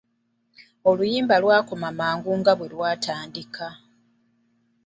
Oluyimba lwakoma mangu nga bwe lwatandika.